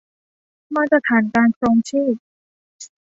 มาตรฐานการครองชีพ